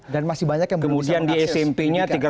dan masih banyak yang belum bisa mengakses pendidikan